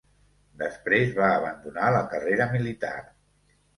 Després va abandonar la carrera militar.